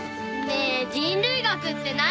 ねえ人類学って何？